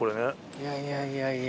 いやいやいやいや。